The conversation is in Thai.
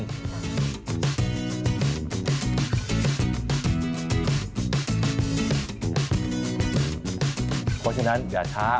ที่เราบอกว่ามีหลายอย่างไม่ได้มีแต่กะปิอย่างเดียว